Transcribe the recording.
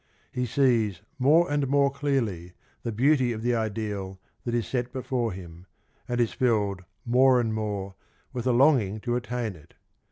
He sees more and more clearly the beauty of the ideal that is set before him, and is filled more and more with a longing to attain it.